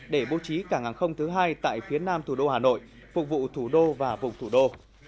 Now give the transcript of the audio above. để bố trí cảng hàng không thứ hai tại phía nam thủ đô hà nội phục vụ thủ đô và vùng thủ đô